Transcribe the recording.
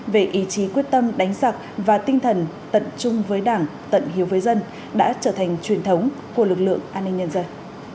về ý chí quyết tâm đánh giặc và tinh thần tận chung với đảng tận hiếu với dân đã trở thành truyền thống của lực lượng an ninh nhân dân